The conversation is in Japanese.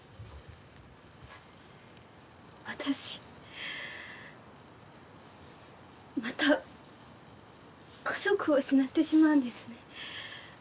「私また家族を失ってしまうんですね」